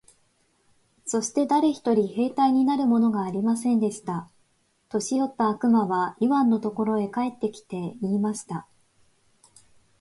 そして誰一人兵隊になるものがありませんでした。年よった悪魔はイワンのところへ帰って来て、言いました。